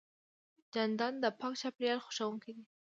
جانداد د پاک چاپېریال خوښوونکی دی.